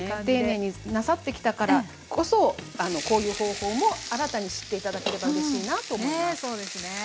丁寧になさってきたからこそこういう方法も新たに知って頂ければうれしいなと思います。